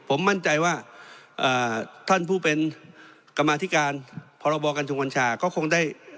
ผมมั่นใจว่าท่านผู้เป็นกรรมาธิการพรบกัญชงกัญชาก็คงได้